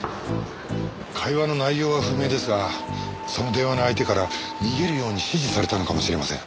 会話の内容は不明ですがその電話の相手から逃げるように指示されたのかもしれません。